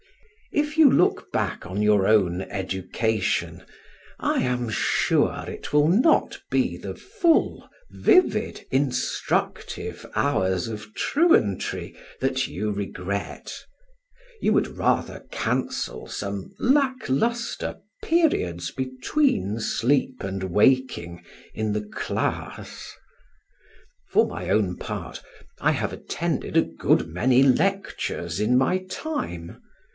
If you look back on your own education, I am sure it will not be the full, vivid, instructive hours of truantry that you regret; you would rather cancel some lack lustre periods between sleep and waking in the class. For my own part, I have attended a good many lectures in my time.